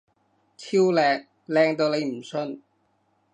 超靚！靚到你唔信！